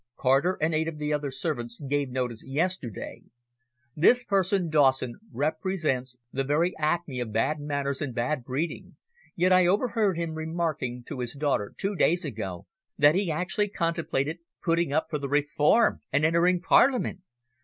Carter and eight of the other servants gave notice yesterday. This person Dawson represents the very acme of bad manners and bad breeding, yet I overheard him remarking to his daughter two days ago that he actually contemplated putting up for the Reform and entering Parliament!